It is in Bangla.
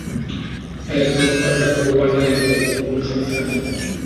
হ্যাঁ, তুমি পান্ডা হও বা না-ই হও, কোনো সমস্যা নেই।